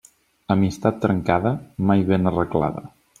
Amistat trencada, mai ben arreglada.